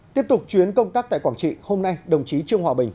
tiếp tục chuyến công tác tại quảng trị hôm nay đồng chí trương hòa bình